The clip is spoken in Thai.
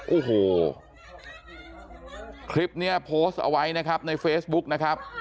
โอ้โหคลิปนี้โพสต์เอาไว้นะครับในเฟซบุ๊กนะครับ